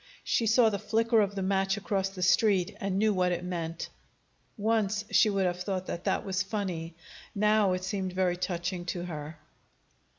She saw the flicker of the match across the street, and knew what it meant. Once she would have thought that that was funny; now it seemed very touching to her.